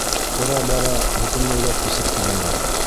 Тора-бара бөтөнләйгә күсеп киләләр.